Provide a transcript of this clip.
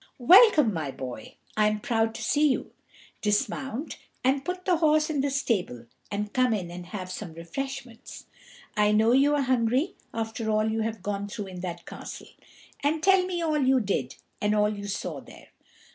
"Welcome, my boy; I am proud to see you. Dismount and put the horse in the stable, and come in and have some refreshments; I know you are hungry after all you have gone through in that castle. And tell me all you did, and all you saw there.